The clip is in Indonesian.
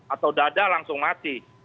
atau dada langsung mati